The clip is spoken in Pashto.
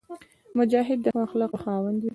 مجاهد د ښو اخلاقو خاوند وي.